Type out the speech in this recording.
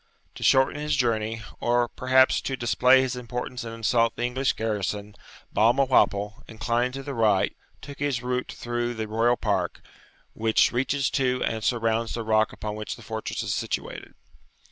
To shorten his journey, or perhaps to display his importance and insult the English garrison, Balmawhapple, inclining to the right, took his route through the royal park, which reaches to and surrounds the rock upon which the fortress is situated.